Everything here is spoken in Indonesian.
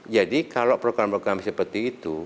jadi kalau program program seperti itu